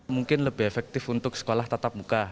mungkin lebih efektif untuk sekolah tatap muka